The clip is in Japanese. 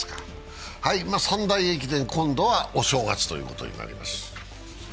三大駅伝、今度はお正月ということになります。